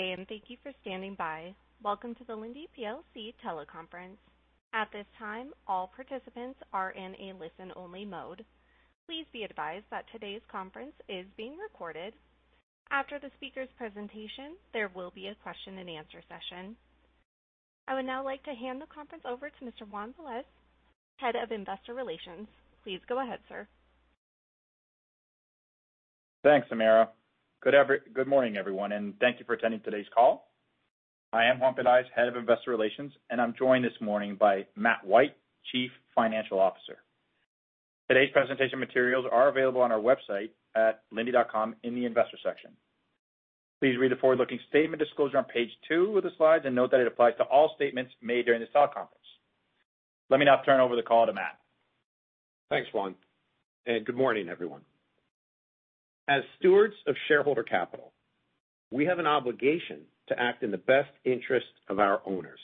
Good day, and thank you for standing by. Welcome to the Linde PLC teleconference. At this time, all participants are in a listen-only mode. Please be advised that today's conference is being recorded. After the speaker's presentation, there will be a question and answer session. I would now like to hand the conference over to Mr. Juan Pelaez, Head of Investor Relations. Please go ahead, sir. Thanks, Amira. Good morning, everyone, and thank you for attending today's call. I am Juan Pelaez, Head of Investor Relations, and I'm joined this morning by Matt White, Chief Financial Officer. Today's presentation materials are available on our website at Linde.com in the investor section. Please read the forward-looking statement disclosure on page two of the slides, and note that it applies to all statements made during this teleconference. Let me now turn over the call to Matt. Thanks, Juan, and good morning, everyone. As stewards of shareholder capital, we have an obligation to act in the best interest of our owners,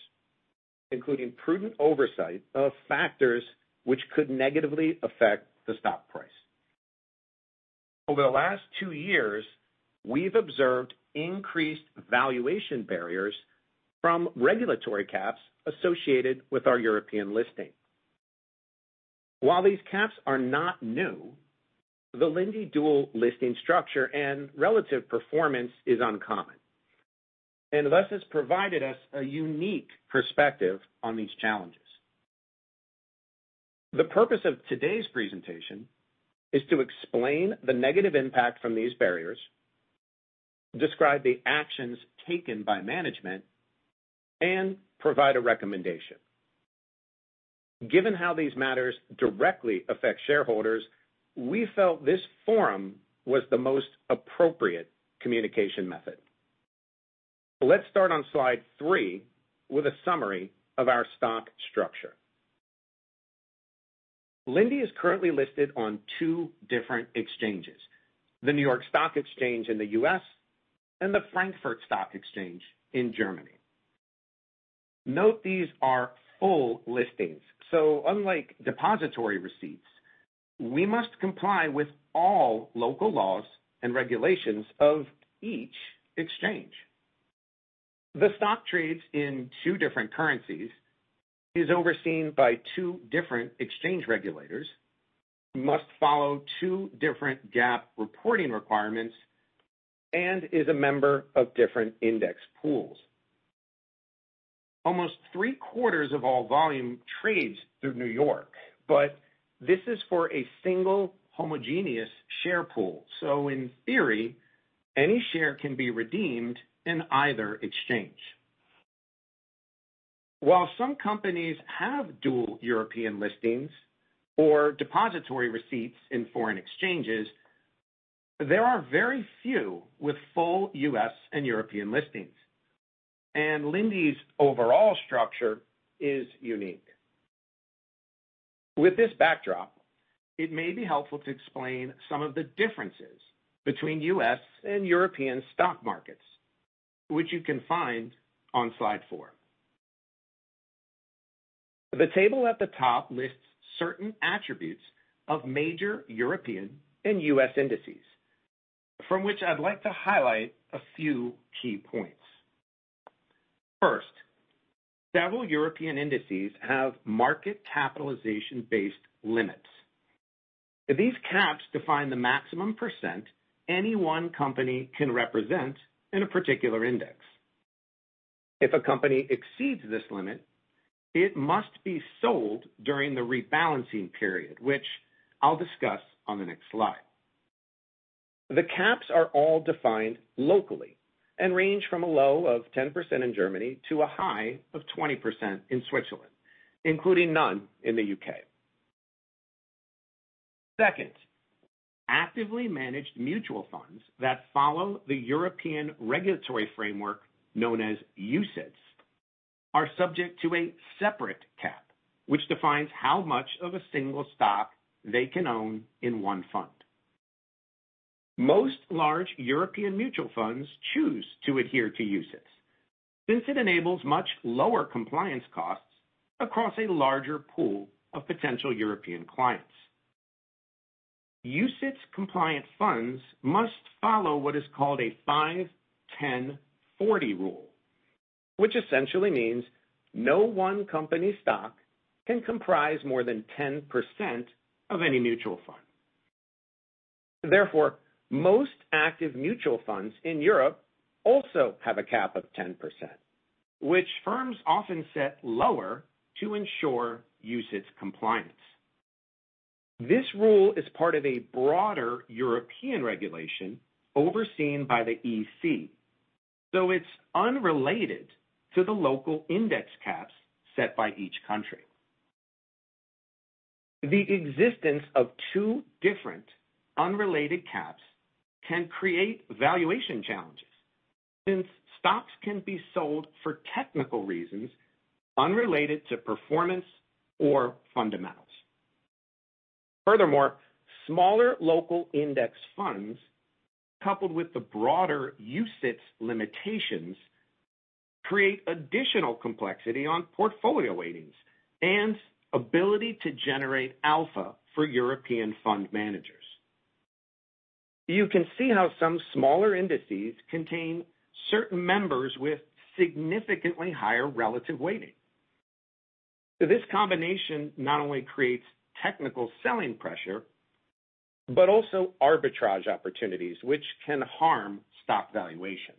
including prudent oversight of factors which could negatively affect the stock price. Over the last two years, we've observed increased valuation barriers from regulatory caps associated with our European listing. While these caps are not new, the Linde dual listing structure and relative performance is uncommon, and thus has provided us a unique perspective on these challenges. The purpose of today's presentation is to explain the negative impact from these barriers, describe the actions taken by management, and provide a recommendation. Given how these matters directly affect shareholders, we felt this forum was the most appropriate communication method. Let's start on slide three with a summary of our stock structure. Linde is currently listed on two different exchanges, the New York Stock Exchange in the US and the Frankfurt Stock Exchange in Germany. Note these are full listings, so unlike depository receipts, we must comply with all local laws and regulations of each exchange. The stock trades in two different currencies, is overseen by two different exchange regulators, must follow two different GAAP reporting requirements, and is a member of different index pools. Almost three-quarters of all volume trades through New York, but this is for a single homogeneous share pool. In theory, any share can be redeemed in either exchange. While some companies have dual European listings or depository receipts in foreign exchanges, there are very few with full US and European listings, and Linde's overall structure is unique. With this backdrop, it may be helpful to explain some of the differences between US and European stock markets, which you can find on slide four. The table at the top lists certain attributes of major European and US indices, from which I'd like to highlight a few key points. First, several European indices have market capitalization-based limits. These caps define the maximum percent any one company can represent in a particular index. If a company exceeds this limit, it must be sold during the rebalancing period, which I'll discuss on the next slide. The caps are all defined locally and range from a low of 10% in Germany to a high of 20% in Switzerland, including none in the UK. Second, actively managed mutual funds that follow the European regulatory framework, known as UCITS, are subject to a separate cap, which defines how much of a single stock they can own in one fund. Most large European mutual funds choose to adhere to UCITS, since it enables much lower compliance costs across a larger pool of potential European clients. UCITS compliance funds must follow what is called a 5/10/40 rule, which essentially means no one company stock can comprise more than 10% of any mutual fund. Therefore, most active mutual funds in Europe also have a cap of 10%, which firms often set lower to ensure UCITS compliance. This rule is part of a broader European regulation overseen by the EC, so it's unrelated to the local index caps set by each country. The existence of two different unrelated caps can create valuation challenges, since stocks can be sold for technical reasons unrelated to performance or fundamentals. Furthermore, smaller local index funds, coupled with the broader UCITS limitations create additional complexity on portfolio weightings and ability to generate alpha for European fund managers. You can see how some smaller indices contain certain members with significantly higher relative weighting. This combination not only creates technical selling pressure, but also arbitrage opportunities which can harm stock valuation.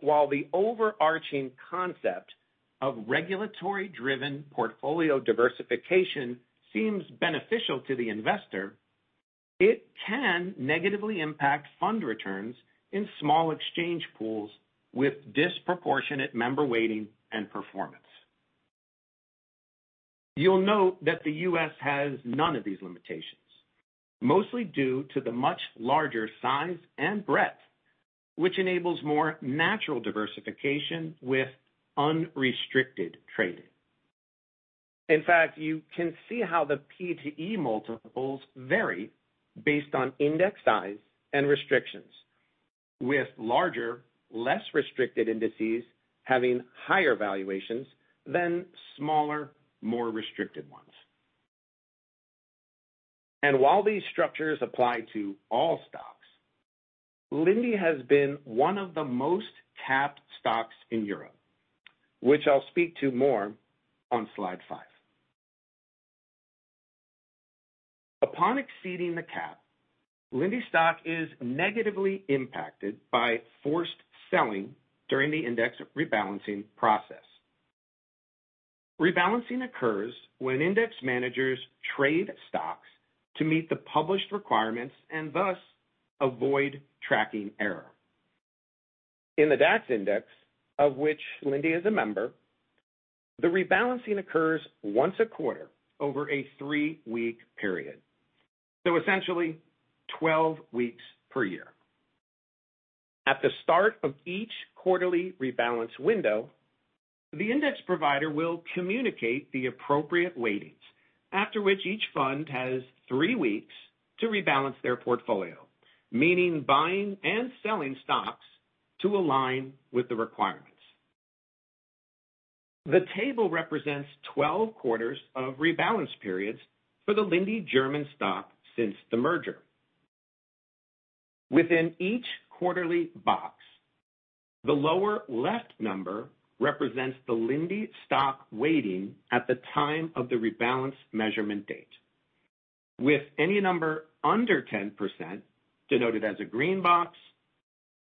While the overarching concept of regulatory-driven portfolio diversification seems beneficial to the investor, it can negatively impact fund returns in small exchange pools with disproportionate member weighting and performance. You'll note that the US has none of these limitations, mostly due to the much larger size and breadth, which enables more natural diversification with unrestricted trading. In fact, you can see how the P/E multiples vary based on index size and restrictions, with larger, less restricted indices having higher valuations than smaller, more restricted ones. While these structures apply to all stocks, Linde has been one of the most capped stocks in Europe, which I'll speak to more on slide five. Upon exceeding the cap, Linde stock is negatively impacted by forced selling during the index rebalancing process. Rebalancing occurs when index managers trade stocks to meet the published requirements and thus avoid tracking error. In the DAX index, of which Linde is a member, the rebalancing occurs once a quarter over a three week period, so essentially 12 weeks per year. At the start of each quarterly rebalance window, the index provider will communicate the appropriate weightings, after which each fund has three weeks to rebalance their portfolio, meaning buying and selling stocks to align with the requirements. The table represents 12 quarters of rebalance periods for the Linde German stock since the merger. Within each quarterly box, the lower left number represents the Linde stock weighting at the time of the rebalance measurement date, with any number under 10% denoted as a green box,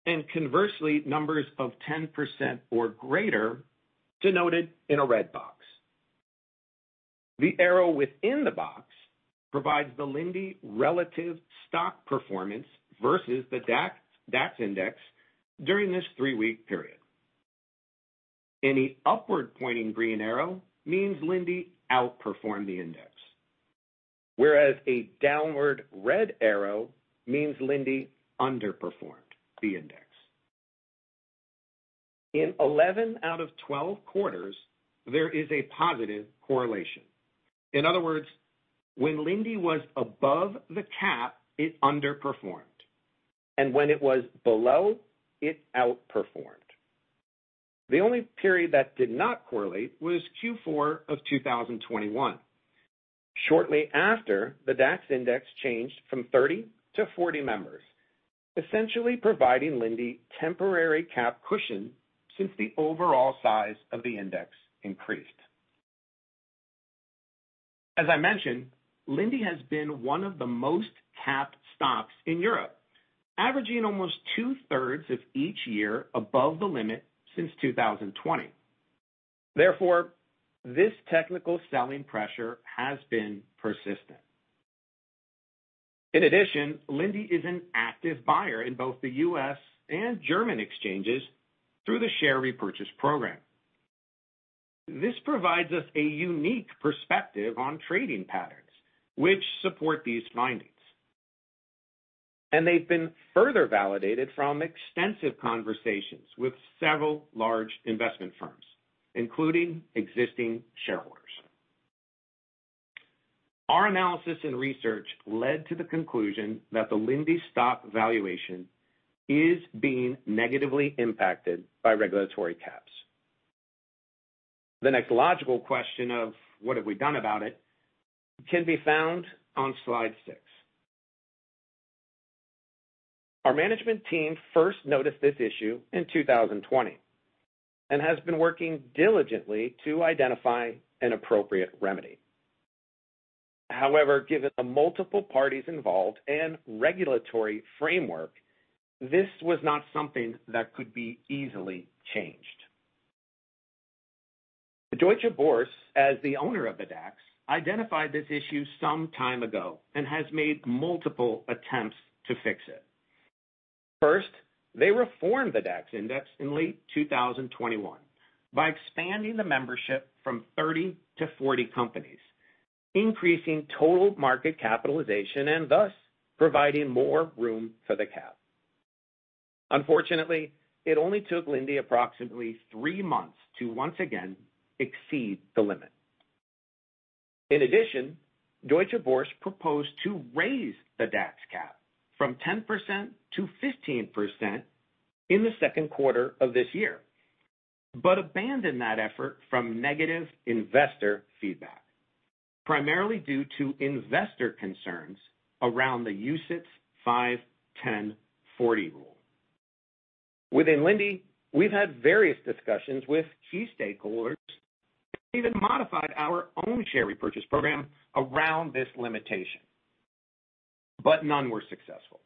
and conversely, numbers of 10% or greater denoted in a red box. The arrow within the box provides the Linde relative stock performance versus the DAX index during this three-week period. Any upward-pointing green arrow means Linde outperformed the index, whereas a downward red arrow means Linde underperformed the index. In eleven out of twelve quarters, there is a positive correlation. In other words, when Linde was above the cap, it underperformed, and when it was below, it outperformed. The only period that did not correlate was Q4 of 2021. Shortly after, the DAX index changed from 30 to 40 members, essentially providing Linde temporary cap cushion since the overall size of the index increased. As I mentioned, Linde has been one of the most capped stocks in Europe, averaging almost 2/3 of each year above the limit since 2020. Therefore, this technical selling pressure has been persistent. In addition, Linde is an active buyer in both the US and German exchanges through the share repurchase program. This provides us a unique perspective on trading patterns which support these findings, and they've been further validated from extensive conversations with several large investment firms, including existing shareholders. Our analysis and research led to the conclusion that the Linde stock valuation is being negatively impacted by regulatory caps. The next logical question of what have we done about it can be found on slide six. Our management team first noticed this issue in 2020 and has been working diligently to identify an appropriate remedy. However, given the multiple parties involved and regulatory framework, this was not something that could be easily changed. The Deutsche Börse, as the owner of the DAX, identified this issue some time ago and has made multiple attempts to fix it. First, they reformed the DAX index in late 2021 by expanding the membership from 30 to 40 companies, increasing total market capitalization and thus providing more room for the cap. Unfortunately, it only took Linde approximately three months to once again exceed the limit. In addition, Deutsche Börse proposed to raise the DAX cap from 10% to 15% in the Q2 of this year, but abandoned that effort due to negative investor feedback, primarily due to investor concerns around the UCITS 5/10/40 rule. Within Linde, we've had various discussions with key stakeholders and even modified our own share repurchase program around this limitation, but none were successful.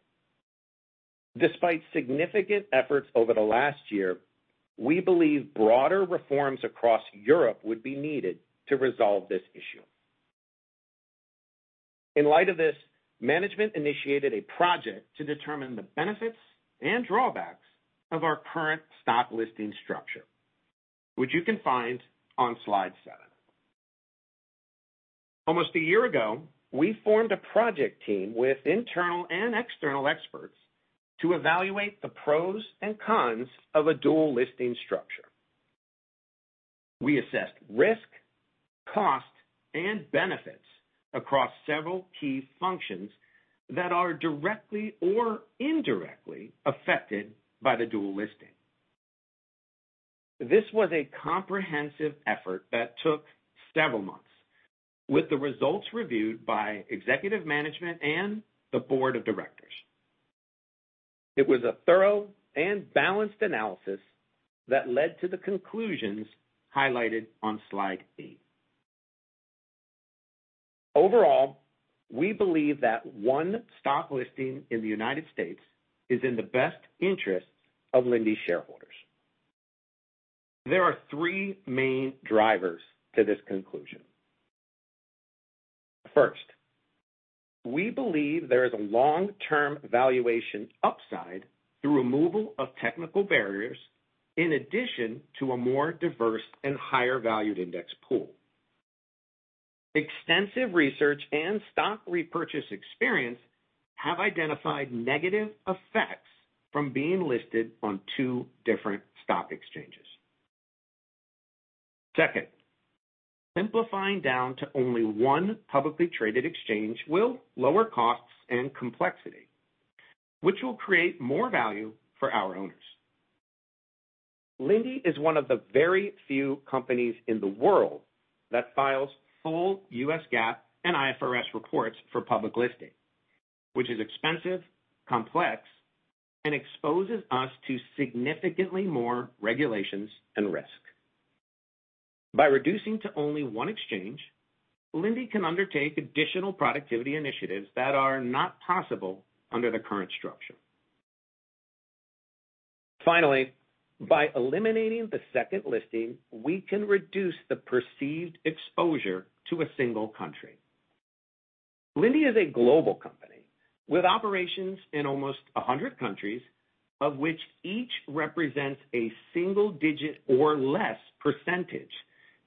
Despite significant efforts over the last year, we believe broader reforms across Europe would be needed to resolve this issue. In light of this, management initiated a project to determine the benefits and drawbacks of our current stock listing structure, which you can find on slide seven. Almost a year ago, we formed a project team with internal and external experts to evaluate the pros and cons of a dual listing structure. We assessed risk, cost, and benefits across several key functions that are directly or indirectly affected by the dual listing. This was a comprehensive effort that took several months, with the results reviewed by executive management and the board of directors. It was a thorough and balanced analysis that led to the conclusions highlighted on slide eight. Overall, we believe that one stock listing in the United States is in the best interest of Linde shareholders. There are three main drivers to this conclusion. First, we believe there is a long-term valuation upside through removal of technical barriers in addition to a more diverse and higher valued index pool. Extensive research and stock repurchase experience have identified negative effects from being listed on two different stock exchanges. Second, simplifying down to only one publicly traded exchange will lower costs and complexity, which will create more value for our owners. Linde is one of the very few companies in the world that files full US GAAP and IFRS reports for public listing, which is expensive, complex, and exposes us to significantly more regulations and risk. By reducing to only one exchange, Linde can undertake additional productivity initiatives that are not possible under the current structure. Finally, by eliminating the second listing, we can reduce the perceived exposure to a single country. Linde is a global company with operations in almost 100 countries, of which each represents a single digit or less percentage,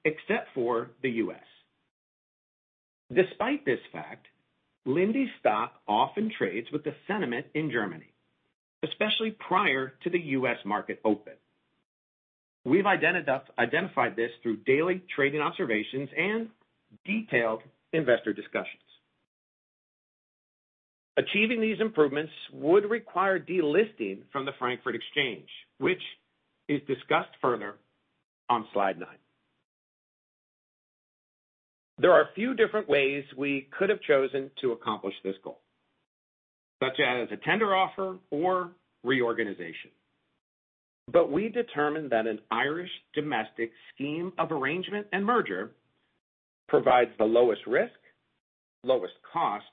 except for the US Despite this fact, Linde stock often trades with the sentiment in Germany, especially prior to the US market open. We've identified this through daily trading observations and detailed investor discussions. Achieving these improvements would require delisting from the Frankfurt Stock Exchange, which is discussed further on slide nine. There are a few different ways we could have chosen to accomplish this goal, such as a tender offer or reorganization. We determined that an Irish domestic scheme of arrangement and merger provides the lowest risk, lowest cost,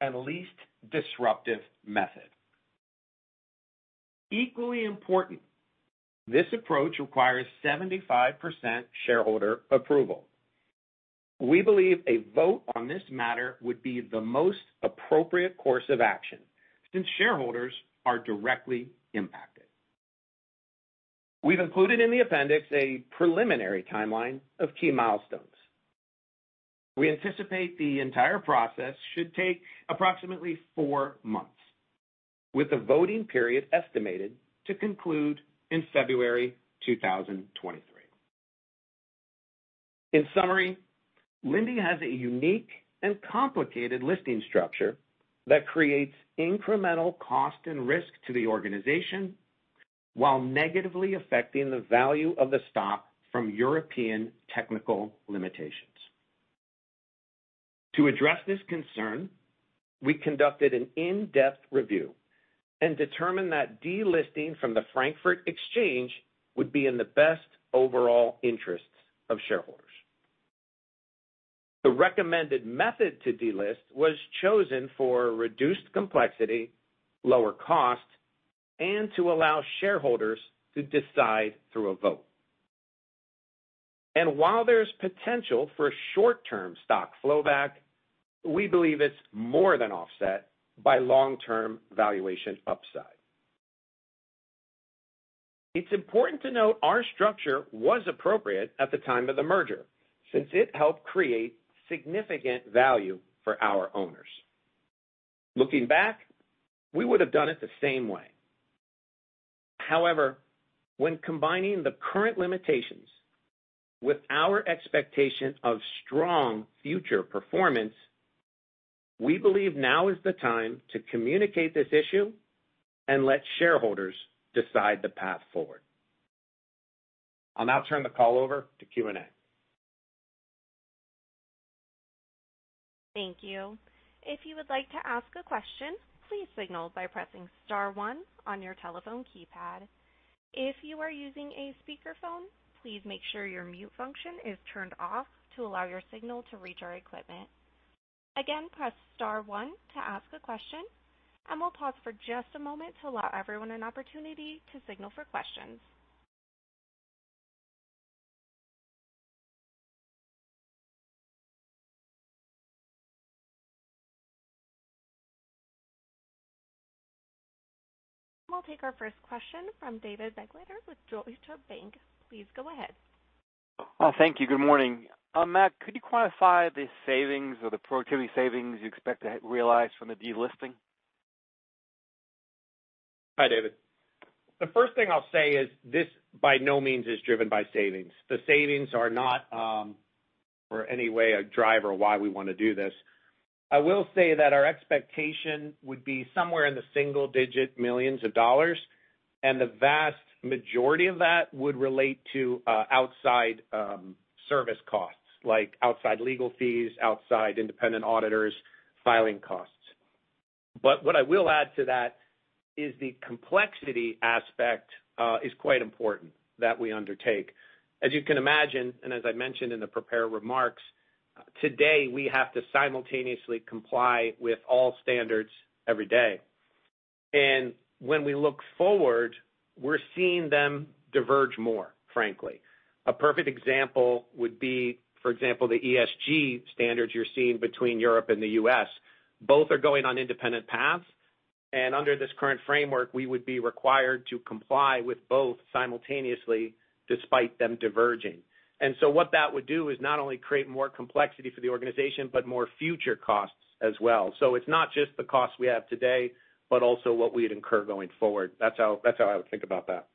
and least disruptive method. Equally important, this approach requires 75% shareholder approval. We believe a vote on this matter would be the most appropriate course of action since shareholders are directly impacted. We've included in the appendix a preliminary timeline of key milestones. We anticipate the entire process should take approximately four months, with the voting period estimated to conclude in February 2023. In summary, Linde has a unique and complicated listing structure that creates incremental cost and risk to the organization while negatively affecting the value of the stock from European technical limitations. To address this concern, we conducted an in-depth review and determined that delisting from the Frankfurt Stock Exchange would be in the best overall interests of shareholders. The recommended method to delist was chosen for reduced complexity, lower cost, and to allow shareholders to decide through a vote. While there's potential for short-term stock flow back, we believe it's more than offset by long-term valuation upside. It's important to note our structure was appropriate at the time of the merger, since it helped create significant value for our owners. Looking back, we would have done it the same way. However, when combining the current limitations with our expectation of strong future performance, we believe now is the time to communicate this issue and let shareholders decide the path forward. I'll now turn the call over to Q&A. Thank you. If you would like to ask a question, please signal by pressing star one on your telephone keypad. If you are using a speakerphone, please make sure your mute function is turned off to allow your signal to reach our equipment. Again, press star one to ask a question, and we'll pause for just a moment to allow everyone an opportunity to signal for questions. We'll take our first question from David Begleiter with Deutsche Bank. Please go ahead. Oh, thank you. Good morning. Matt, could you quantify the savings or the productivity savings you expect to realize from the delisting? Hi, David. The first thing I'll say is this by no means is driven by savings. The savings are not in any way a driver why we want to do this. I will say that our expectation would be somewhere in the single-digit millions of dollars, and the vast majority of that would relate to outside service costs, like outside legal fees, outside independent auditors, filing costs. What I will add to that is the complexity aspect is quite important that we undertake. As you can imagine, and as I mentioned in the prepared remarks, today, we have to simultaneously comply with all standards every day. When we look forward, we're seeing them diverge more, frankly. A perfect example would be, for example, the ESG standards you're seeing between Europe and the US Both are going on independent paths, and under this current framework, we would be required to comply with both simultaneously, despite them diverging. What that would do is not only create more complexity for the organization, but more future costs as well. It's not just the cost we have today, but also what we'd incur going forward. That's how I would think about that.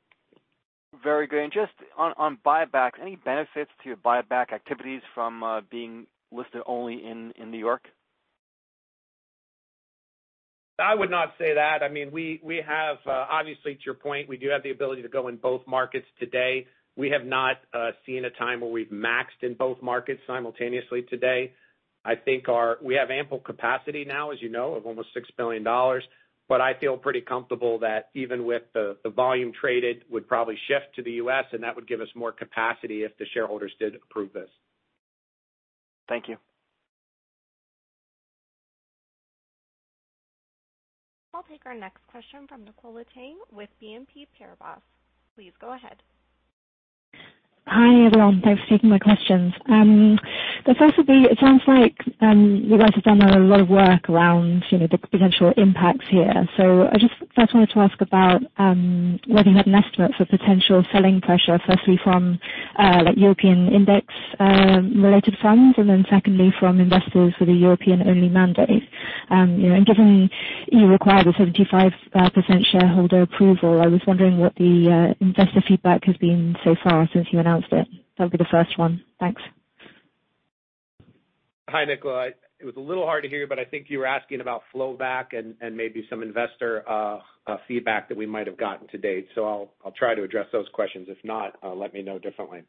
Very good. Just on buybacks, any benefits to your buyback activities from being listed only in New York? I would not say that. I mean, we have obviously, to your point, we do have the ability to go in both markets today. We have not seen a time where we've maxed in both markets simultaneously today. I think we have ample capacity now, as you know, of almost $6 billion. I feel pretty comfortable that even with the volume traded would probably shift to the US, and that would give us more capacity if the shareholders did approve this. Thank you. I'll take our next question from Nicola Tang with BNP Paribas. Please go ahead. Hi, everyone. Thanks for taking my questions. Firstly, it sounds like you guys have done a lot of work around, you know, the potential impacts here. I just first wanted to ask about whether you had an estimate for potential selling pressure, firstly from, like European index related funds, and then secondly, from investors with a European-only mandate. You know, and given you require the 75% shareholder approval, I was wondering what the investor feedback has been so far since you announced it. That'll be the first one. Thanks. Hi, Nicola. It was a little hard to hear, but I think you were asking about flow-back and maybe some investor feedback that we might have gotten to date. I'll try to address those questions. If not, let me know differently.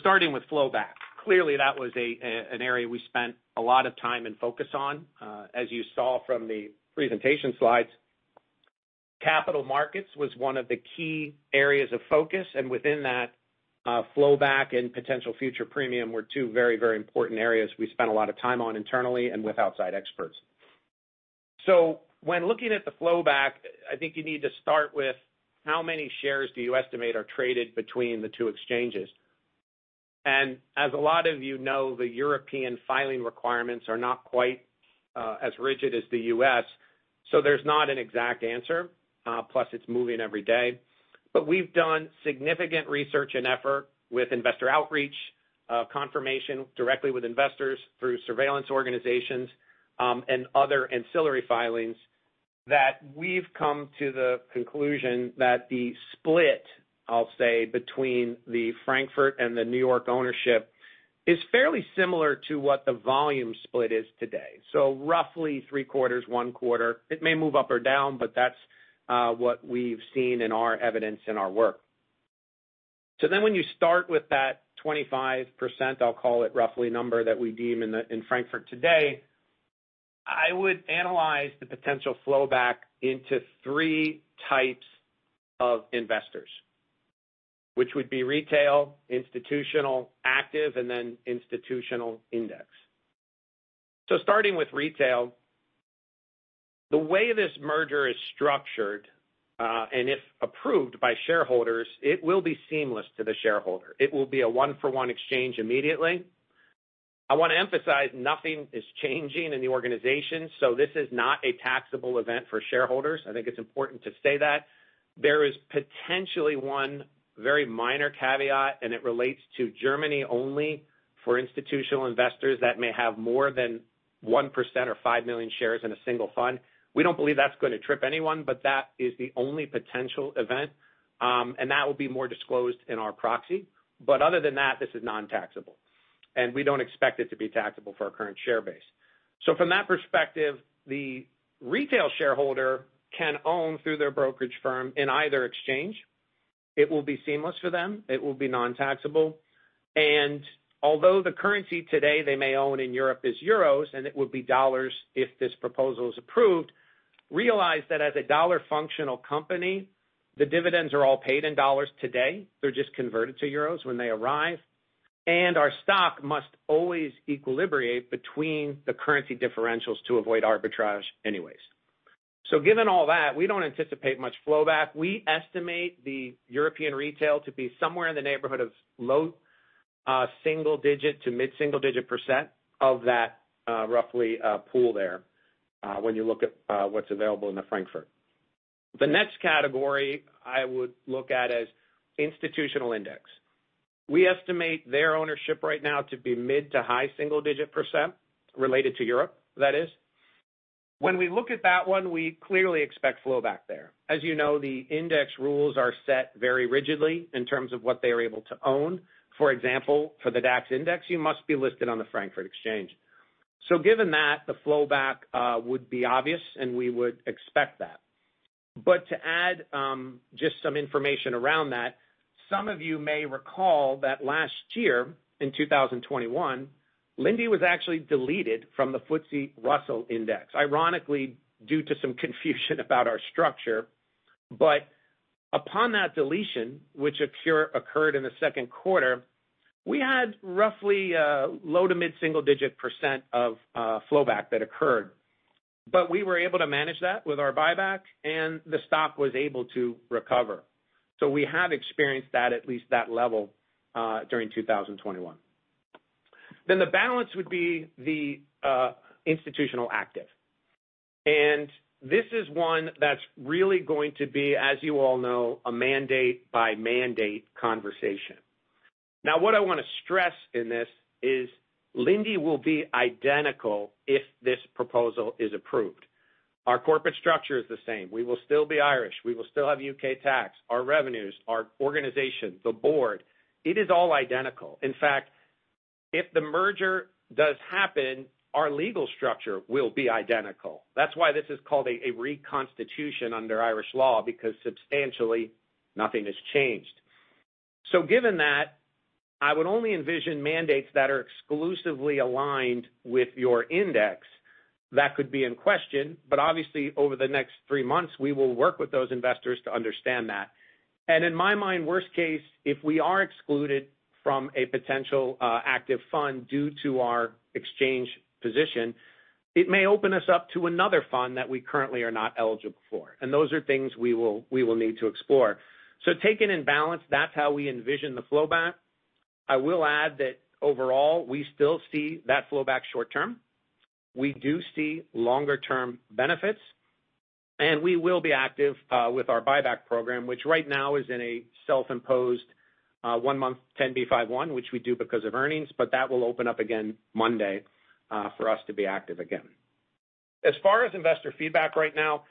Starting with flow-back, clearly that was an area we spent a lot of time and focus on. As you saw from the presentation slides, capital markets was one of the key areas of focus, and within that, flow-back and potential future premium were two very important areas we spent a lot of time on internally and with outside experts. When looking at the flow-back, I think you need to start with how many shares do you estimate are traded between the two exchanges. As a lot of you know, the European filing requirements are not quite as rigid as the US, so there's not an exact answer. Plus it's moving every day. We've done significant research and effort with investor outreach, confirmation directly with investors through surveillance organizations, and other ancillary filings that we've come to the conclusion that the split, I'll say, between the Frankfurt and the New York ownership is fairly similar to what the volume split is today. Roughly Q3, Q1. It may move up or down, but that's what we've seen in our evidence in our work. When you start with that 25%, I'll call it roughly number that we deem in Frankfurt today, I would analyze the potential flow back into three types of investors, which would be retail, institutional, active, and then institutional index. Starting with retail, the way this merger is structured, and if approved by shareholders, it will be seamless to the shareholder. It will be a one-for-one exchange immediately. I wanna emphasize nothing is changing in the organization, so this is not a taxable event for shareholders. I think it's important to say that. There is potentially one very minor caveat, and it relates to Germany only for institutional investors that may have more than 1% or $5 million shares in a single fund. We don't believe that's gonna trip anyone, but that is the only potential event. That will be more disclosed in our proxy. Other than that, this is non-taxable, and we don't expect it to be taxable for our current share base. From that perspective, the retail shareholder can own through their brokerage firm in either exchange. It will be seamless for them. It will be non-taxable. Although the currency today they may own in Europe is euros, and it would be dollars if this proposal is approved, realize that as a dollar-functional company, the dividends are all paid in dollars today. They're just converted to euros when they arrive. Our stock must always equilibrate between the currency differentials to avoid arbitrage anyways. Given all that, we don't anticipate much flowback. We estimate the European retail to be somewhere in the neighborhood of low single-digit to mid-single-digit % of that roughly pool there when you look at what's available in the Frankfurt Stock Exchange. The next category I would look at is institutional index. We estimate their ownership right now to be mid- to high single-digit percent related to Europe, that is. When we look at that one, we clearly expect flowback there. As you know, the index rules are set very rigidly in terms of what they are able to own. For example, for the DAX index, you must be listed on the Frankfurt Stock Exchange. Given that, the flowback would be obvious, and we would expect that. To add, just some information around that, some of you may recall that last year, in 2021, Linde was actually deleted from the FTSE Russell Index, ironically, due to some confusion about our structure. Upon that deletion, which occurred in the Q2, we had roughly low to mid-single-digit percent of flowback that occurred. We were able to manage that with our buyback, and the stock was able to recover. We have experienced that, at least that level, during 2021. The balance would be the institutional active. This is one that's really going to be, as you all know, a mandate-by-mandate conversation. Now, what I wanna stress in this is Linde will be identical if this proposal is approved. Our corporate structure is the same. We will still be Irish. We will still have UK tax. Our revenues, our organization, the board, it is all identical. In fact, if the merger does happen, our legal structure will be identical. That's why this is called a reconstitution under Irish law, because substantially nothing has changed. Given that, I would only envision mandates that are exclusively aligned with your index that could be in question. Obviously, over the next three months, we will work with those investors to understand that. In my mind, worst case, if we are excluded from a potential active fund due to our exchange position, it may open us up to another fund that we currently are not eligible for, and those are things we will need to explore. Taken in balance, that's how we envision the flowback. I will add that overall, we still see that flowback short-term. We do see longer-term benefits, and we will be active with our buyback program, which right now is in a self-imposed one-month 10b5-1, which we do because of earnings, but that will open up again Monday for us to be active again. As far as investor feedback right now,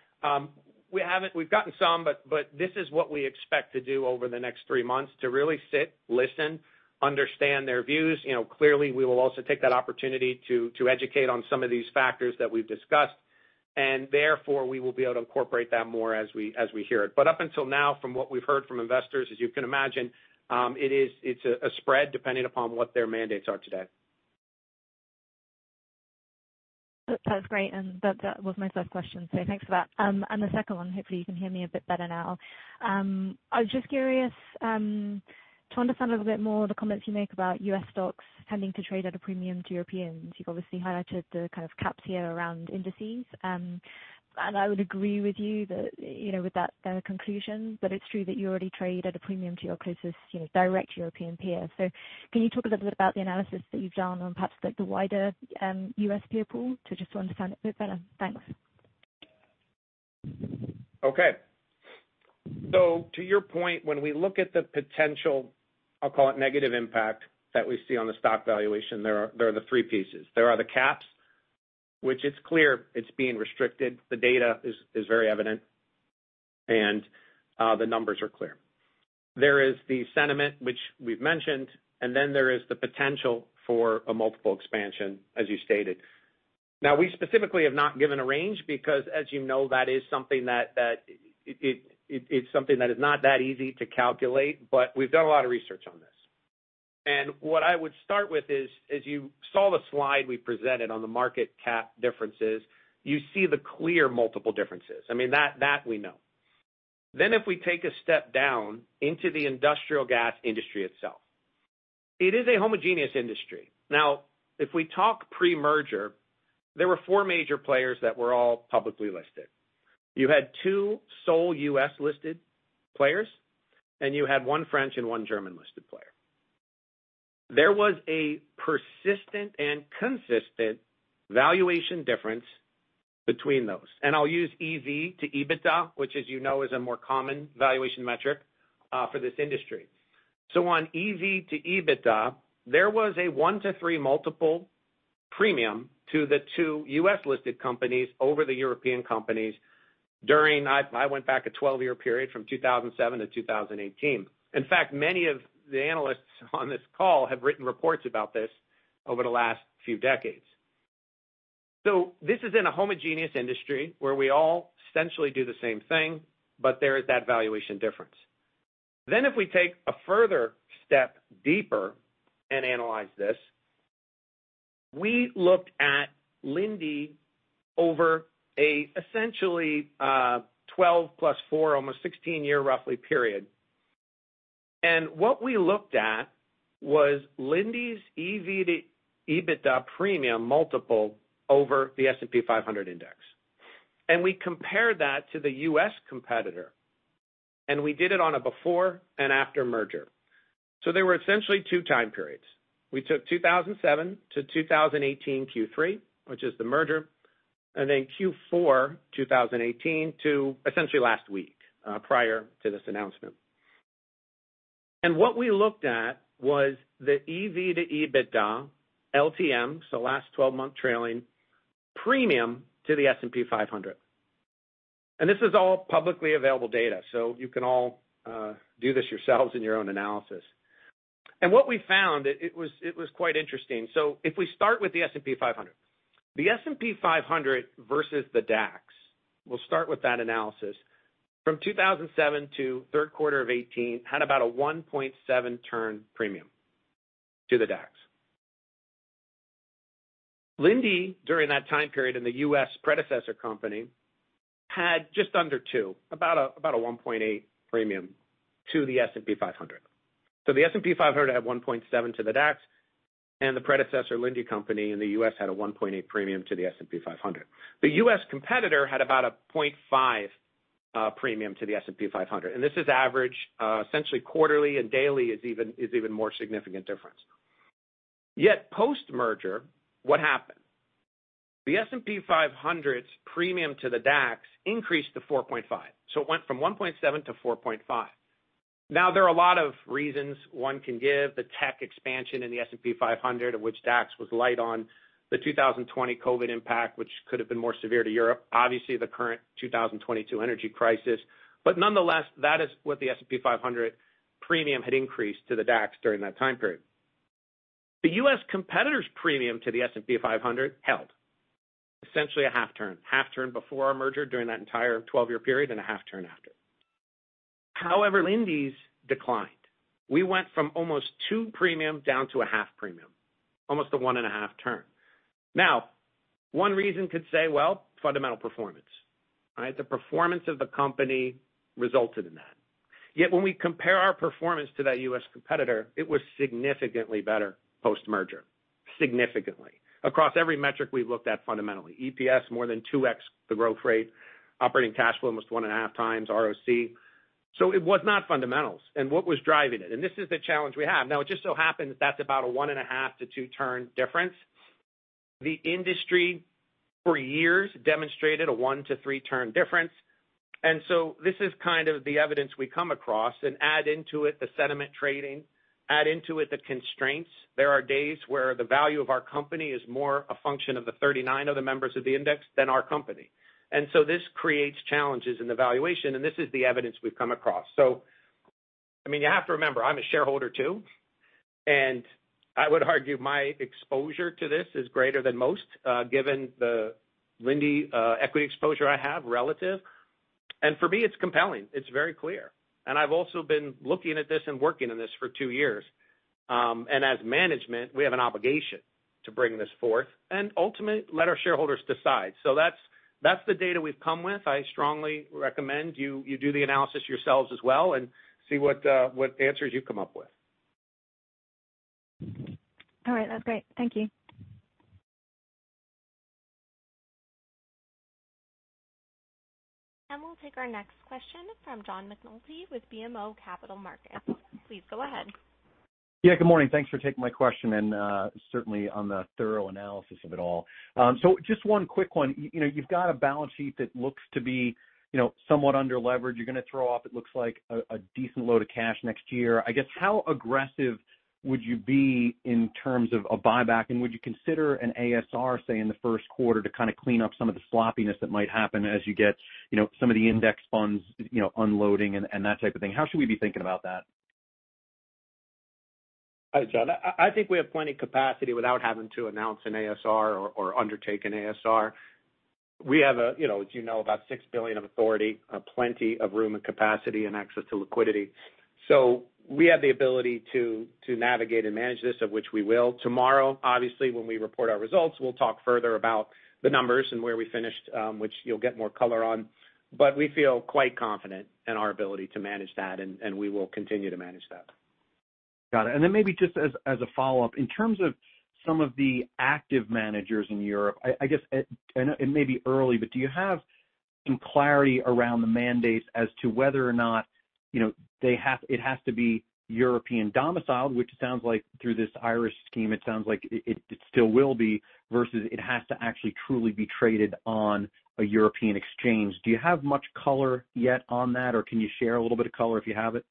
we've gotten some, but this is what we expect to do over the next three months, to really sit, listen, understand their views. You know, clearly, we will also take that opportunity to educate on some of these factors that we've discussed, and therefore, we will be able to incorporate that more as we hear it. Up until now, from what we've heard from investors, as you can imagine, it is a spread depending upon what their mandates are today. That's great. That was my first question. Thanks for that. The second one, hopefully you can hear me a bit better now. I was just curious to understand a little bit more the comments you make about US stocks tending to trade at a premium to Europeans. You've obviously highlighted the kind of caps here around indices. I would agree with you that, you know, with that conclusion, but it's true that you already trade at a premium to your closest, you know, direct European peer. Can you talk a little bit about the analysis that you've done on perhaps the wider US peer pool to just understand it a bit better? Thanks. To your point, when we look at the potential, I'll call it negative impact that we see on the stock valuation, there are the three pieces. There are the caps, which it's clear is being restricted. The data is very evident, and the numbers are clear. There is the sentiment which we've mentioned, and then there is the potential for a multiple expansion, as you stated. Now, we specifically have not given a range because, as you know, that is something that is not that easy to calculate. We've done a lot of research on this. What I would start with is, as you saw the slide we presented on the market cap differences, you see the clear multiple differences. I mean, that we know. If we take a step down into the industrial gas industry itself, it is a homogeneous industry. Now, if we talk pre-merger, there were four major players that were all publicly listed. You had two solely US-listed players, and you had one French and one German-listed player. There was a persistent and consistent valuation difference between those. I'll use EV to EBITDA, which as you know is a more common valuation metric, for this industry. On EV to EBITDA, there was a one to three multiple premium to the two US-listed companies over the European companies during. I went back a 12 year period from 2007 to 2018. In fact, many of the analysts on this call have written reports about this over the last few decades. This is in a homogeneous industry where we all essentially do the same thing, but there is that valuation difference. If we take a further step deeper and analyze this, we looked at Linde over an essentially 12+ four, almost 16-year roughly period. What we looked at was Linde's EV to EBITDA premium multiple over the S&P 500 index. We compared that to the US competitor, and we did it on a before and after merger. There were essentially two time periods. We took 2007 to 2018 Q3, which is the merger, and then Q4 2018 to essentially last week prior to this announcement. What we looked at was the EV to EBITDA LTM, so last 12-month trailing, premium to the S&P 500. This is all publicly available data, so you can all do this yourselves in your own analysis. What we found, it was quite interesting. If we start with the S&P 500. The S&P 500 versus the DAX, we'll start with that analysis. From 2007 to Q3 of 2018 had about a 1.7 turn premium to the DAX. Linde during that time period in the US predecessor company had just under two, about a 1.8 premium to the S&P 500. The S&P 500 had 1.7 to the DAX, and the predecessor Linde company in the US had a 1.8 premium to the S&P 500. The US competitor had about 0.5% premium to the S&P 500, and this is average, essentially quarterly and daily is even more significant difference. Yet post-merger, what happened? The S&P 500's premium to the DAX increased to 4.5%. It went from 1.7% to 4.5%. Now, there are a lot of reasons one can give. The tech expansion in the S&P 500 of which DAX was light on. The 2020 COVID impact, which could have been more severe to Europe. Obviously, the current 2022 energy crisis. Nonetheless, that is what the S&P 500 premium had increased to the DAX during that time period. The US competitor's premium to the S&P 500 held essentially a half turn before our merger during that entire 12-year period and a half turn after. However, Linde's declined. We went from almost two premium down to a half premium, almost a 1.5 turn. Now, one reason could say, well, fundamental performance. All right? The performance of the company resulted in that. Yet when we compare our performance to that US competitor, it was significantly better post-merger, significantly across every metric we've looked at fundamentally. EPS more than 2x the growth rate. Operating cash flow, almost 1.5x ROC. It was not fundamentals. What was driving it? This is the challenge we have. Now, it just so happens that's about a 1.5-two turn difference. The industry for years demonstrated a one to three turn difference. This is kind of the evidence we come across and add into it the sentiment trading, add into it the constraints. There are days where the value of our company is more a function of the 39 other members of the index than our company. This creates challenges in the valuation, and this is the evidence we've come across. I mean, you have to remember, I'm a shareholder too, and I would argue my exposure to this is greater than most, given the Linde equity exposure I have relative. For me, it's compelling. It's very clear. I've also been looking at this and working in this for two years. As management, we have an obligation to bring this forth and ultimately let our shareholders decide. That's the data we've come with. I strongly recommend you do the analysis yourselves as well and see what answers you come up with. All right. That's great. Thank you. We'll take our next question from John McNulty with BMO Capital Markets. Please go ahead. Yeah, good morning. Thanks for taking my question and certainly on the thorough analysis of it all. So just one quick one. You know, you've got a balance sheet that looks to be, you know, somewhat under leverage. You're gonna throw off, it looks like a decent load of cash next year. I guess, how aggressive would you be in terms of a buyback, and would you consider an ASR, say, in the Q1 to kind of clean up some of the sloppiness that might happen as you get, you know, some of the index funds, you know, unloading and that type of thing? How should we be thinking about that? Hi, John. I think we have plenty capacity without having to announce an ASR or undertake an ASR. We have, you know, as you know, about $6 billion of authority, plenty of room and capacity and access to liquidity. We have the ability to navigate and manage this, of which we will. Tomorrow, obviously, when we report our results, we'll talk further about the numbers and where we finished, which you'll get more color on. We feel quite confident in our ability to manage that, and we will continue to manage that. Got it. Then maybe just as a follow-up, in terms of some of the active managers in Europe, I guess I know it may be early, but do you have some clarity around the mandates as to whether or not, you know, it has to be European domiciled, which sounds like through this Irish scheme, it sounds like it still will be, versus it has to actually truly be traded on a European exchange. Do you have much color yet on that? Can you share a little bit of color if you have it?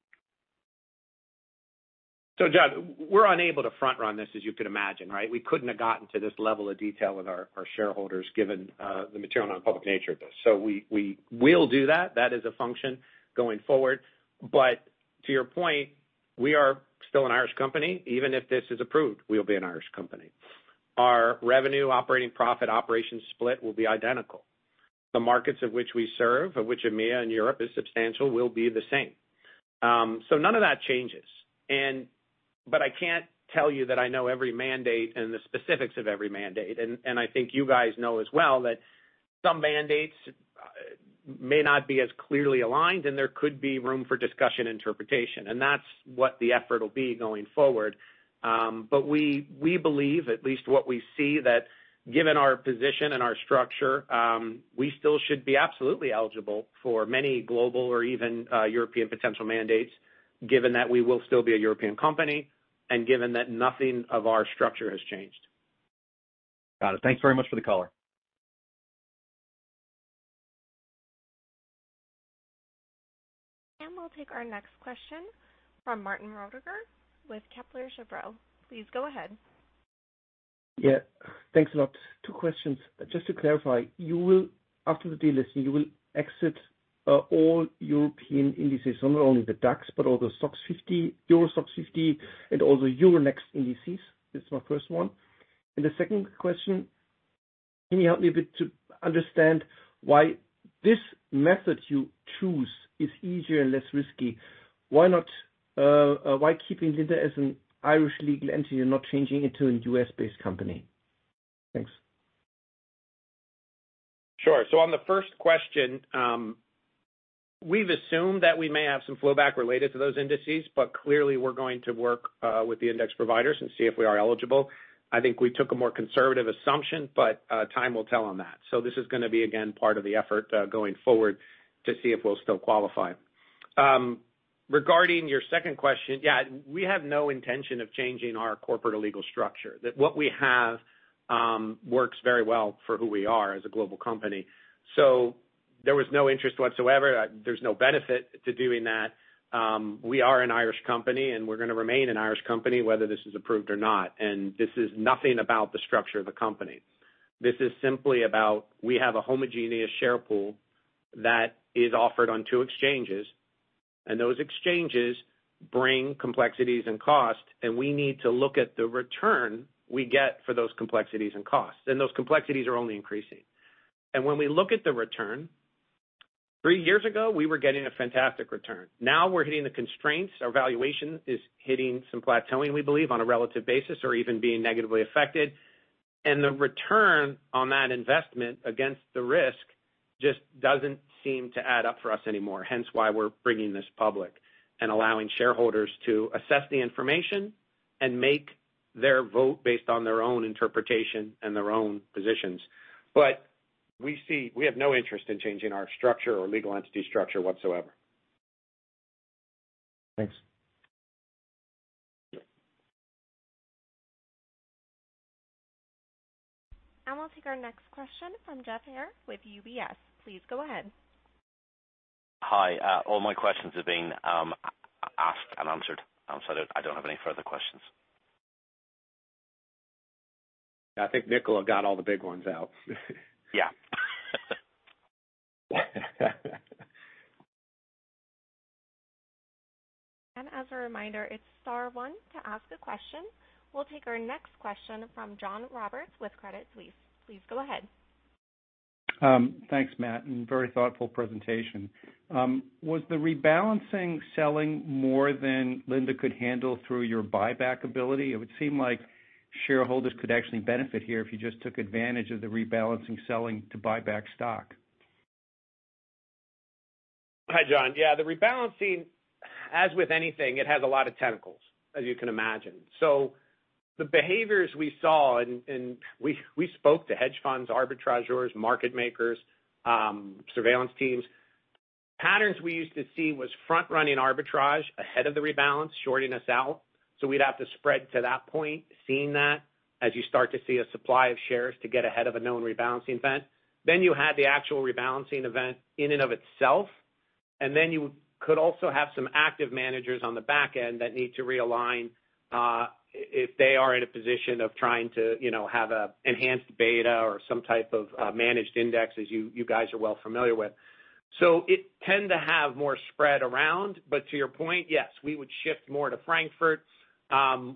John, we're unable to front run this, as you could imagine, right? We couldn't have gotten to this level of detail with our shareholders given the material non-public nature of this. We will do that. That is a function going forward. But to your point, we are still an Irish company. Even if this is approved, we'll be an Irish company. Our revenue operating profit operations split will be identical. The markets of which we serve, of which EMEA and Europe is substantial, will be the same. None of that changes. I can't tell you that I know every mandate and the specifics of every mandate. I think you guys know as well that some mandates may not be as clearly aligned, and there could be room for discussion interpretation, and that's what the effort will be going forward. We believe, at least what we see, that given our position and our structure, we still should be absolutely eligible for many global or even European potential mandates, given that we will still be a European company and given that nothing of our structure has changed. Got it. Thanks very much for the color. We'll take our next question from Martin Roediger with Kepler Cheuvreux. Please go ahead. Yeah, thanks a lot. Two questions. Just to clarify, after the delisting, you will exit all European indices, not only the DAX, but all the Euro STOXX 50, and all the Euronext indices. That's my first one. The second question, can you help me a bit to understand why this method you choose is easier and less risky? Why not, why keeping Linde as an Irish legal entity and not changing it to a US-based company? Thanks. Sure. On the first question, we've assumed that we may have some flowback related to those indices, but clearly we're going to work with the index providers and see if we are eligible. I think we took a more conservative assumption, but time will tell on that. This is gonna be, again, part of the effort going forward to see if we'll still qualify. Regarding your second question. Yeah, we have no intention of changing our corporate or legal structure. That, what we have, works very well for who we are as a global company. There was no interest whatsoever. There's no benefit to doing that. We are an Irish company, and we're gonna remain an Irish company, whether this is approved or not. This is nothing about the structure of the company. This is simply about we have a homogeneous share pool that is offered on two exchanges, and those exchanges bring complexities and costs, and we need to look at the return we get for those complexities and costs. Those complexities are only increasing. When we look at the return, three years ago, we were getting a fantastic return. Now we're hitting the constraints. Our valuation is hitting some plateauing, we believe, on a relative basis or even being negatively affected. The return on that investment against the risk just doesn't seem to add up for us anymore. Hence why we're bringing this public and allowing shareholders to assess the information and make their vote based on their own interpretation and their own positions. We see we have no interest in changing our structure or legal entity structure whatsoever. Thanks. We'll take our next question from Jeff Hare with UBS. Please go ahead. Hi. All my questions have been asked and answered. I don't have any further questions. I think Nicola got all the big ones out. Yeah. As a reminder, it's star one to ask a question. We'll take our next question from John Roberts with Credit Suisse. Please go ahead. Thanks, Matt, and very thoughtful presentation. Was the rebalancing selling more than Linde could handle through your buyback ability? It would seem like shareholders could actually benefit here if you just took advantage of the rebalancing selling to buy back stock. Hi, John. Yeah, the rebalancing, as with anything, it has a lot of tentacles, as you can imagine. The behaviors we saw and we spoke to hedge funds, arbitrageurs, market makers, surveillance teams. Patterns we used to see was front-running arbitrage ahead of the rebalance, shorting us out. We'd have to spread to that point, seeing that, as you start to see a supply of shares to get ahead of a known rebalancing event. You had the actual rebalancing event in and of itself. You could also have some active managers on the back end that need to realign, if they are in a position of trying to, you know, have a enhanced beta or some type of, managed index, as you guys are well familiar with. It tend to have more spread around. To your point, yes, we would shift more to Frankfurt.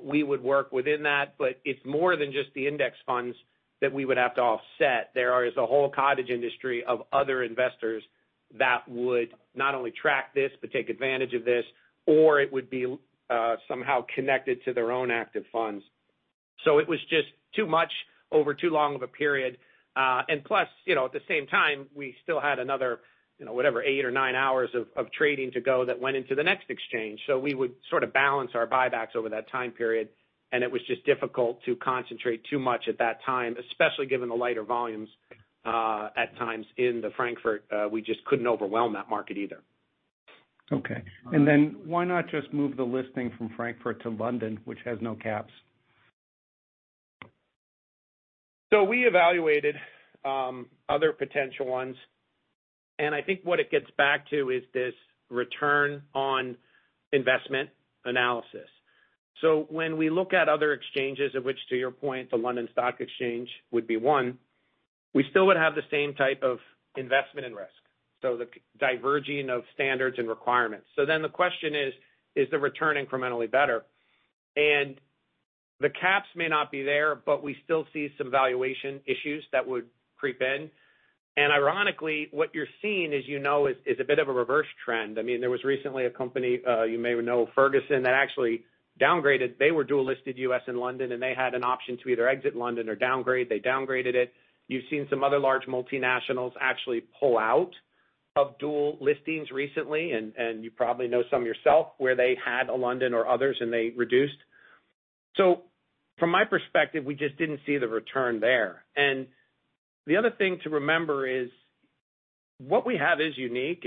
We would work within that. It's more than just the index funds that we would have to offset. There is a whole cottage industry of other investors that would not only track this but take advantage of this, or it would be somehow connected to their own active funds. It was just too much over too long of a period. Plus, you know, at the same time, we still had another, you know, whatever, eight or nine hours of trading to go that went into the next exchange. We would sort of balance our buybacks over that time period, and it was just difficult to concentrate too much at that time, especially given the lighter volumes. At times in the Frankfurt, we just couldn't overwhelm that market either. Okay. Why not just move the listing from Frankfurt to London, which has no caps? We evaluated other potential ones, and I think what it gets back to is this return on investment analysis. When we look at other exchanges, of which, to your point, the London Stock Exchange would be one, we still would have the same type of investment and risk. The diverging of standards and requirements. The question is the return incrementally better? The caps may not be there, but we still see some valuation issues that would creep in. Ironically, what you're seeing, as you know, is a bit of a reverse trend. I mean, there was recently a company, you may know, Ferguson, that actually downgraded. They were dual listed US and London, and they had an option to either exit London or downgrade. They downgraded it. You've seen some other large multinationals actually pull out of dual listings recently, and you probably know some yourself where they had a London or others and they reduced. From my perspective, we just didn't see the return there. The other thing to remember is what we have is unique.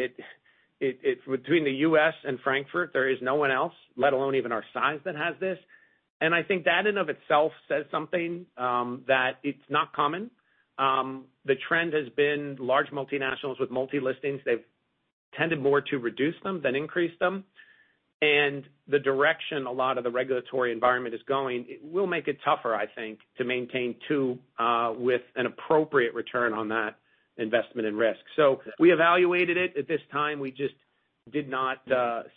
Between the US and Frankfurt, there is no one else, let alone even our size, that has this. I think that in and of itself says something that it's not common. The trend has been large multinationals with multi listings. They've tended more to reduce them than increase them. The direction a lot of the regulatory environment is going, it will make it tougher, I think, to maintain two with an appropriate return on that investment and risk. We evaluated it. At this time, we just did not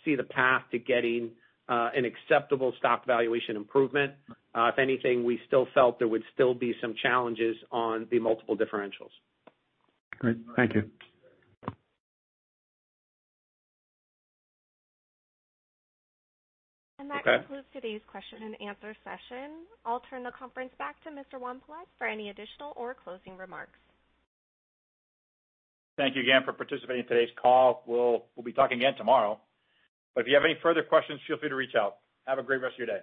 see the path to getting an acceptable stock valuation improvement. If anything, we still felt there would still be some challenges on the multiple differentials. Great. Thank you. That concludes today's question and answer session. I'll turn the conference back to Matt White for any additional or closing remarks. Thank you again for participating in today's call. We'll be talking again tomorrow, but if you have any further questions, feel free to reach out. Have a great rest of your day.